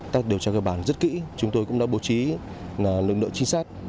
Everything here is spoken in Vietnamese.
các điều tra cơ bản rất kỹ chúng tôi cũng đã bố trí lực lượng trinh sát